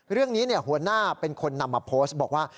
เรื่องนี้หัวหน้าเป็นคนนำมาโพสต์บอกว่า